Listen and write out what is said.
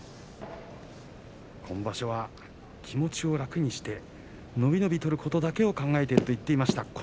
今場所は気持ちを楽にして伸び伸び取ることだけを考えていると言っていました。